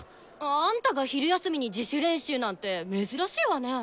あんたが昼休みに自主練習なんて珍しいわね。